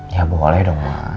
ya boleh dong ma